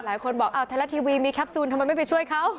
หลายคนบอกอ้าวไทยรัฐทีวีมีแคปซูลทำไมไม่ไปช่วยเขา